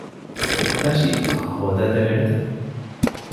ތަށި ހޯދައިދެވޭނެތަ؟